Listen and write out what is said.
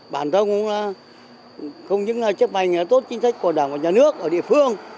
bản thân cũng không những chấp mạnh tốt chính sách của đảng và nhà nước ở địa phương